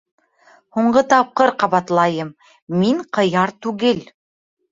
— Һуңғы тапҡыр ҡабатлайым, мин ҡыяр түгел.